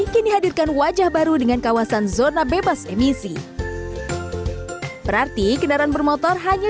kini hadirkan wajah baru dengan kawasan zona bebas emisi berarti kendaraan bermotor hanya